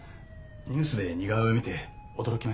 ニュースで似顔絵を見て驚きました。